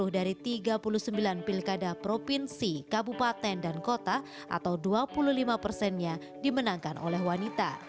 sepuluh dari tiga puluh sembilan pilkada provinsi kabupaten dan kota atau dua puluh lima persennya dimenangkan oleh wanita